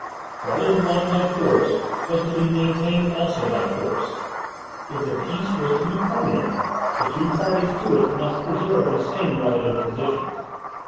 What was won by force was to be maintained also by force; if the peace was to be permanent, the two parties to it must preserve the same relative positions.